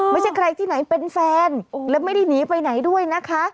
ไม่ใช่ใครที่ไหนเป็นแฟนและไม่ได้หนีไปไหนด้วยนะคะ